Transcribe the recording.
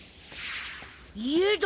家だ！